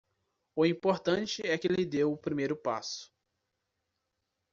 O importante é que ele deu o primeiro passo